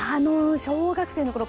小学生のころ